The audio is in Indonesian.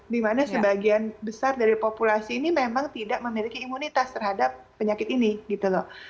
dimana sebagian besar dari populasi ini memang tidak memiliki imunitas terhadap penyakit ini gitu loh